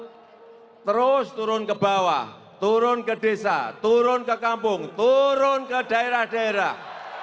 oleh sebab itu kenapa saya selalu terus turun ke bawah turun ke desa turun ke kampung turun ke daerah daerah